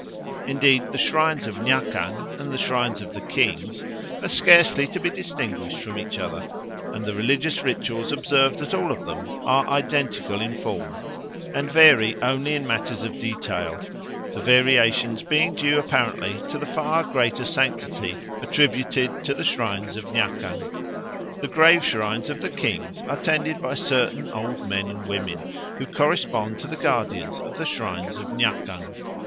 Indeed the shrines of Nyakang and the shrines of the kings are scarcely to be distinguished from each other, and the religious rituals observed at all of them are identical in form and vary only in matters of detail, the variations being due apparently to the far greater sanctity attributed to the shrines of Nyakang. The grave shrines of the kings are tended by certain old men or women, who correspond to the guardians of the shrines of Nyakang.